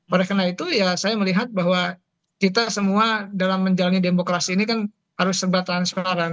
oleh karena itu ya saya melihat bahwa kita semua dalam menjalani demokrasi ini kan harus serba transparan